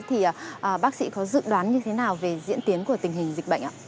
thì bác sĩ có dự đoán như thế nào về diễn tiến của tình hình dịch bệnh ạ